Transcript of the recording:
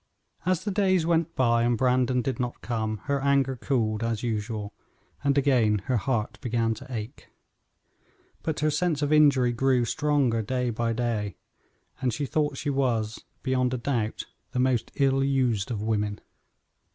As the days went by and Brandon did not come, her anger cooled, as usual, and again her heart began to ache; but her sense of injury grew stronger day by day, and she thought she was, beyond a doubt, the most ill used of women.